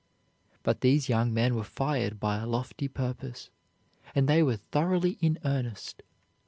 But these young men were fired by a lofty purpose, and they were thoroughly in earnest.